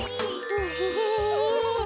ウヘヘヘ。